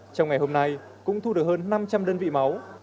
trong ngày hôm nay cũng thu được hơn năm trăm linh đơn vị máu